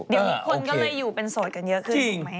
เดี๋ยวนี้คนก็เลยอยู่เป็นโสดกันเยอะขึ้นถูกไหม